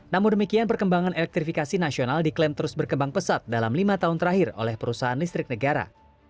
namun demikian perkembangan elektrifikasi nasional diklaim terus berkembang pesat dalam lima tahun terakhir oleh perusahaan listrik negara